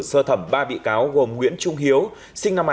sơ thẩm ba bị cáo gồm nguyễn trung hiếu sinh năm một nghìn chín trăm tám mươi